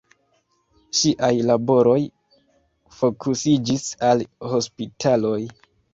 Ŝiaj laboroj fokusiĝis al hospitaloj.